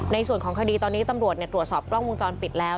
ในส่วนของคดีตอนนี้ตำรวจตรวจสอบกล้องวงจรปิดแล้ว